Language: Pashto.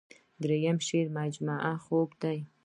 دريمه شعري مجموعه خوب دے ۔